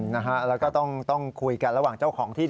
แล้วก็ต้องคุยกันระหว่างเจ้าของที่